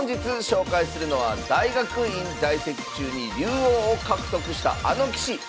紹介するのは大学院在籍中に竜王を獲得したあの棋士。